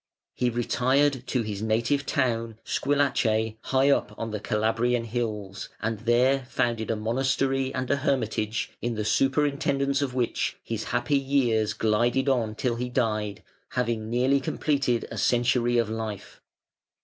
He retired to his native town, Squillace, high up on the Calabrian hills, and there founded a monastery and a hermitage in the superintendence of which his happy years glided on till he died, having nearly completed a century of life.